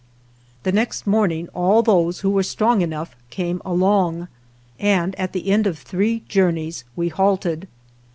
The next morning all those who were strong enough came along, and at the end of three journeys we halted.